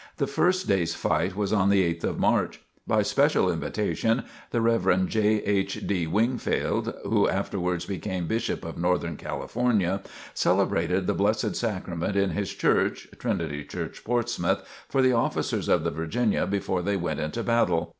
The first days fight was on the 8th of March. By special invitation, the Rev. J. H. D. Wingfield, (who afterwards became Bishop of Northern California), celebrated the Blessed Sacrament in his church, (Trinity Church, Portsmouth), for the officers of the "Virginia" before they went into battle.